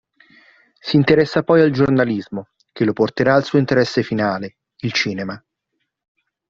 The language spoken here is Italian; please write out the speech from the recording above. Si interessa poi al giornalismo, che lo porterà al suo interesse finale, il cinema.